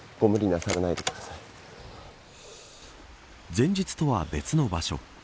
前日とは別の場所。